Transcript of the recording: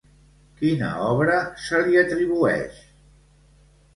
Quina obra se li atribueix?